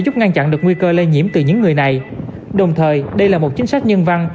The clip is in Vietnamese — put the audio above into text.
giúp ngăn chặn được nguy cơ lây nhiễm từ những người này đồng thời đây là một chính sách nhân văn